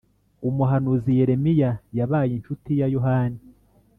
Umuhanuzi Yeremiya yabaye inshuti ya Yohani